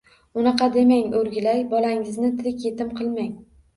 Unaqa demang, o‘rgilay, bolangizni tirik yetim qilmang.